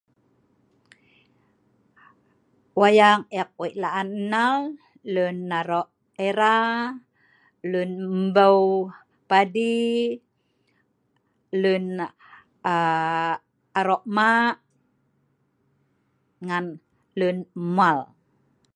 Wayang eek wei laan nal, lun aro' era, lun embou padi lun um um aro ma ngan lun mwal